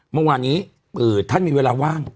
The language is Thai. เมื่อวานนี้ท่านมีเวลาว่าง